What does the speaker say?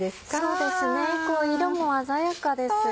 そうですね色も鮮やかですよね。